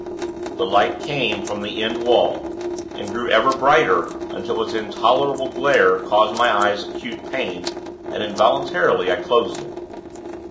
The light came from the end wall, and grew ever brighter until its intolerable glare caused my eyes acute pain, and involuntarily I closed them.